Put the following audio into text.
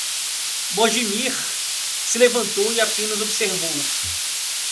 Mojmir se levantou e apenas observou.